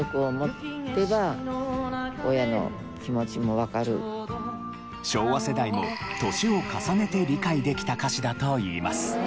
しかし。昭和世代も年を重ねて理解できた歌詞だといいます。